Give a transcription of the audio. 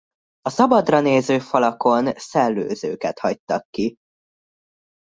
A szabadra néző falakon szellőzőket hagytak ki.